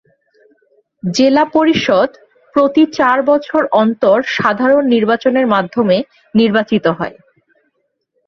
জেলা পরিষদ প্রতি চার বছর অন্তর সাধারণ নির্বাচনের মাধ্যমে নির্বাচিত হয়।